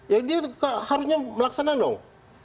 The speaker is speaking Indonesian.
ya dia harusnya melaksanakan dong